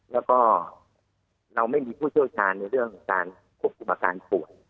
แล้วก็เราไม่มีผู้เชี่ยวชาญในเรื่องการควบคุมอาการป่วย